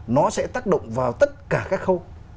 nó sẽ tác động vào tất cả các khâu